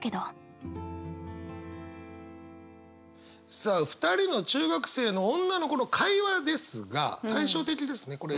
さあ２人の中学生の女の子の会話ですが対照的ですねこれ。